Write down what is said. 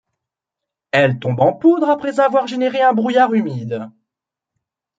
Elle tombe en poudre après avoir généré un brouillard humide.